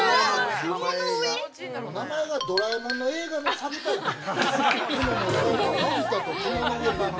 ◆名前がドラえもんの映画のサブタイトル。